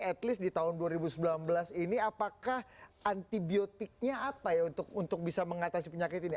at least di tahun dua ribu sembilan belas ini apakah antibiotiknya apa ya untuk bisa mengatasi penyakit ini